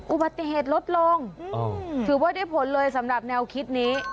อุบัติเหตุลดลงถือว่าได้ผลเลยสำหรับแนวคิดนี้